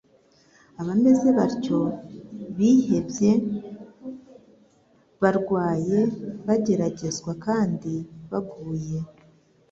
Abameze batyo, bihebye, barwaye, bageragezwa, kandi baguye,